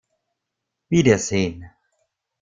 Wiedersehen!